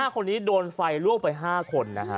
๕คนนี้โดนไฟลวกไป๕คน